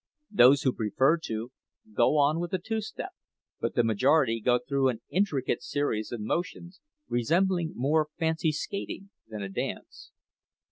Those who prefer to, go on with the two step, but the majority go through an intricate series of motions, resembling more fancy skating than a dance.